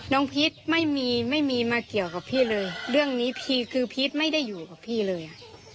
พีชไม่มีไม่มีมาเกี่ยวกับพี่เลยเรื่องนี้พีชคือพีชไม่ได้อยู่กับพี่เลย